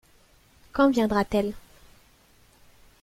Quand viendra-t-elle ?